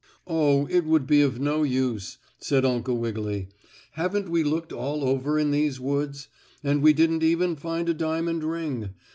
"Oh, it would be of no use," said Uncle Wiggily. "Haven't we looked all over in these woods? And we didn't even find a diamond ring.